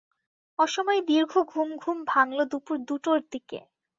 অসময়ে দীর্ঘ ঘুম ঘুম ভাঙলো দুপুর দুটোরদিকে।